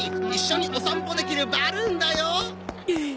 一緒にお散歩できるバルーンだよ！